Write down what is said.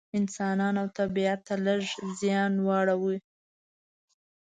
انسانانو او طبیعت ته لږ زیان واړوي.